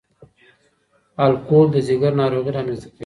الکول د ځګر ناروغۍ رامنځ ته کوي.